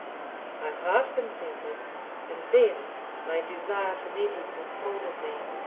I half consented, and then my desire for Nettie took hold of me.